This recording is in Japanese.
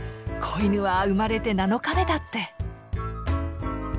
子犬は生まれて７日目だって。